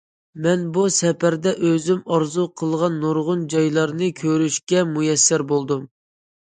مەن بۇ سەپەردە ئۆزۈم ئارزۇ قىلغان نۇرغۇن جايلارنى كۆرۈشكە مۇيەسسەر بولدۇم.